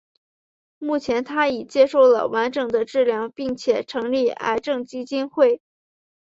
目前她已接受了完整的治疗并且成立癌症基金会。